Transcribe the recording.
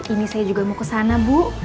ini saya juga mau kesana bu